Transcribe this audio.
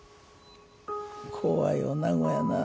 怖い女子やなぁ。